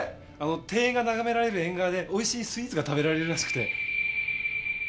庭園が眺められる縁側で美味しいスイーツが食べられるらしくて。